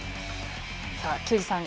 さあ球児さん